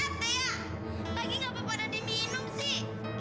eeeh tia bagi ngapa pada diminum sih